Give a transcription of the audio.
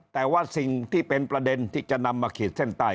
แต่ว่าสิ่งที่เป็นประเด็นที่จะนำมาขีดเส้นใต้